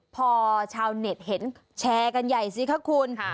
พอชาวเน็ตเห็นแชร์กันใหญ่สิคะคุณ